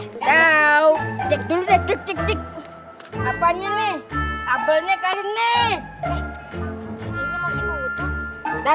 itu kiri kiri itu emangnya naik angkut terbang sinaga